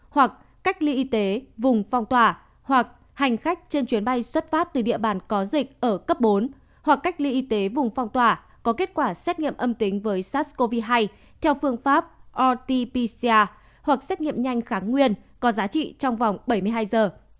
hành khách trên chuyến bay xuất phát từ địa bàn có dịch ở cấp bốn hoặc cách ly y tế vùng phong tỏa có kết quả xét nghiệm âm tính với sars cov hai theo phương pháp rt pcr hoặc xét nghiệm nhanh kháng nguyên có giá trị trong vòng bảy mươi hai giờ